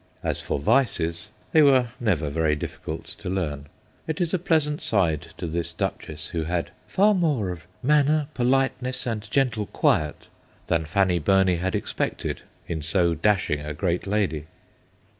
As for vices, they were never very difficult to learn. It is a pleasant side to this duchess, who had * far more of manner, politeness, and gentle quiet' than Fanny Burney had expected in so dashing a great lady.